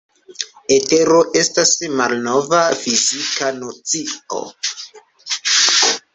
Etero estas malnova fizika nocio.